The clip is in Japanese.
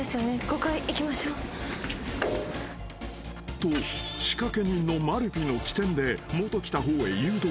［と仕掛け人のまるぴの機転で元来た方へ誘導］